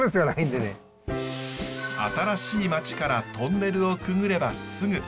新しい町からトンネルをくぐればスグ。